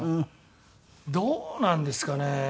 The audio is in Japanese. どうなんですかね。